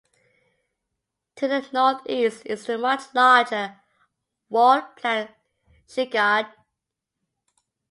To the northeast is the much larger walled plain Schickard.